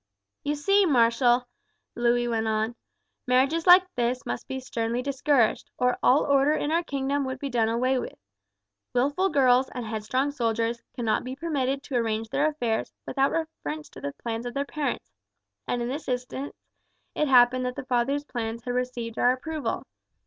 "You see, marshal," Louis went on, "marriages like this must be sternly discouraged, or all order in our kingdom would be done away with. Wilful girls and headstrong soldiers cannot be permitted to arrange their affairs without reference to the plans of their parents, and in this instance it happened that the father's plans had received our approval.